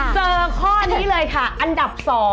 เจอข้อนี้เลยค่ะอันดับ๒